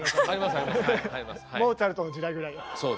モーツァルトの時代ぐらいに。